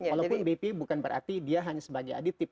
walaupun bp bukan berarti dia hanya sebagai aditif